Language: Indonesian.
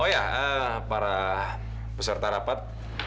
oh ya para peserta rapat